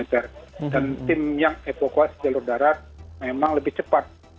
dan tim yang evakuasi jalur darat memang lebih cepat